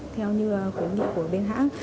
theo như khẳng định của bên hãng